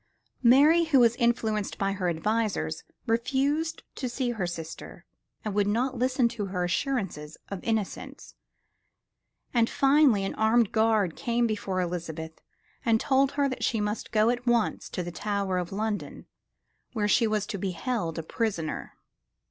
Mary, who was influenced by her advisers, refused to see her sister and would not listen to her assurances of innocence, and finally an armed guard came before Elizabeth and told her that she must go at once to the Tower of London, where she was to be held a prisoner.